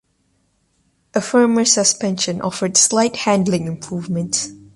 A firmer suspension offered slight handling improvements.